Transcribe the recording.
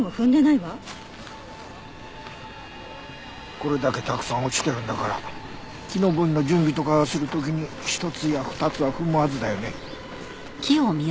これだけたくさん落ちてるんだから木登りの準備とかする時に一つや二つは踏むはずだよね。